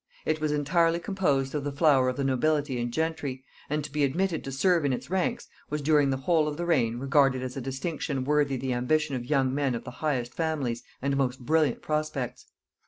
It was entirely composed of the flower of the nobility and gentry, and to be admitted to serve in its ranks was during the whole of the reign regarded as a distinction worthy the ambition of young men of the highest families and most brilliant prospects.